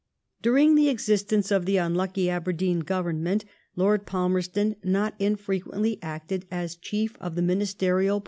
During tbe existence of the unlnoky Aberdeen Ooyem menty Lord Palmerston not nnfreqoently acted as chief of the ministerial.